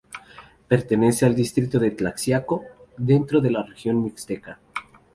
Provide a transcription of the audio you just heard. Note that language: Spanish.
Pertenece al distrito de Tlaxiaco, dentro de la región mixteca.